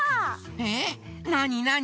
えっなになに？